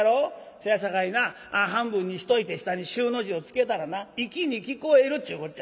せやさかいな半分にしといて下に『衆』の字をつけたらな粋に聞こえるっちゅうこっちゃ。